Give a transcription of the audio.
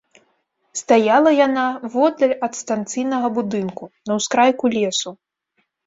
Стаяла яна воддаль ад станцыйнага будынку, на ўскрайку лесу.